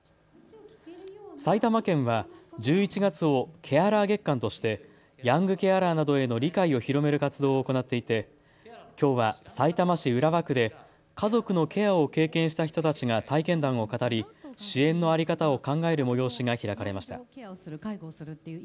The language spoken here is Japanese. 埼玉県は１１月をケアラー月間としてヤングケアラーなどへの理解を広める活動を行っていて、きょうはさいたま市浦和区で家族のケアを経験した人たちが体験談を語り、支援の在り方を考える催しが開かれました。